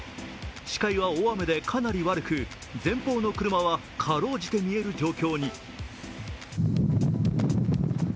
視界は大雨でかなり悪く、前方の車はかろうじて見える状況に。